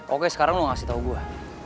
oke sekarang lu ngasih tau gua